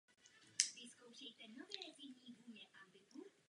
To se neshoduje s její představou o ženském světě.